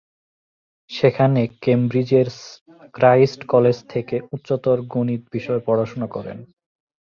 সেখানে কেমব্রিজের Christ college থেকে উচ্চতর গণিত বিষয়ে পড়াশোনা করেন।